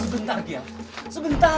sebentar gia sebentar